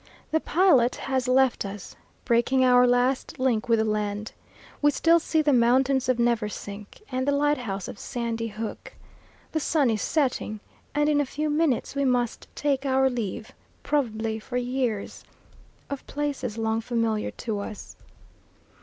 The pilot has left us, breaking our last link with the land. We still see the mountains of Neversink, and the lighthouse of Sandy Hook. The sun is setting, and in a few minutes we must take our leave, probably for years, of places long familiar to us.